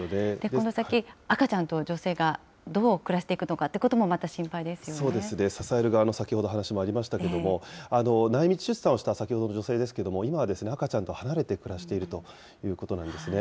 この先、赤ちゃんと女性がどう暮らしていくのかっていうことそうですね、支える側の話もありましたけども、内密出産をした先ほどの女性ですけれども、今は赤ちゃんと離れて暮らしているということなんですね。